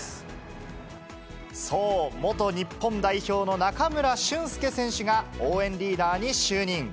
そう、元日本代表の中村俊輔選手が応援リーダーに就任。